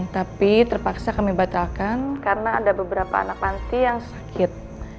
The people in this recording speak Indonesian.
tapi terpaksa kami batalkan karena ada beberapa anak panti yang sakit